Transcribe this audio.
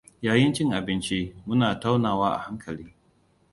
Yayin cin abinci, muna taunawa a hankali.